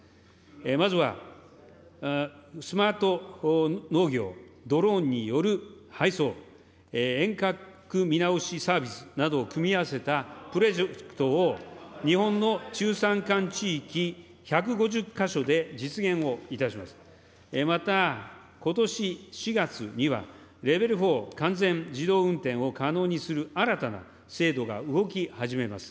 まずはスマート農業、ドローンによる配送、遠隔サービスなどを組み合わせたプロジェクトを、日本の中山間地域１５０か所で実現をまた、ことし４月には、レベル４、完全自動運転を可能にする新たな制度が動き始めます。